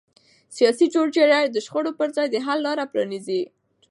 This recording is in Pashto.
سیاسي جوړجاړی د شخړو پر ځای د حل لاره پرانیزي